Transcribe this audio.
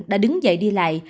đã đứng dậy đi lại